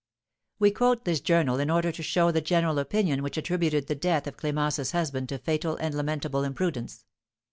We quote this journal in order to show the general opinion which attributed the death of Clémence's husband to fatal and lamentable imprudence.